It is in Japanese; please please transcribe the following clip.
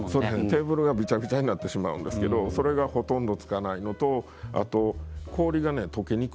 テーブルがびちゃびちゃになってしまうんですけどそれがほとんどつかないのとあと氷がねとけにくいっていう。